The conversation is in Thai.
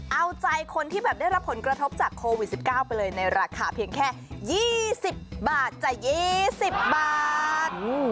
เอาใจคนที่แบบได้รับผลกระทบจากโควิด๑๙ไปเลยในราคาเพียงแค่๒๐บาทจาก๒๐บาท